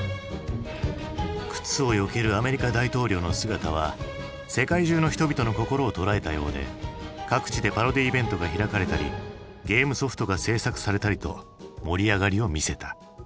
靴をよけるアメリカ大統領の姿は世界中の人々の心を捉えたようで各地でパロディーイベントが開かれたりゲームソフトが制作されたりと盛り上がりを見せた。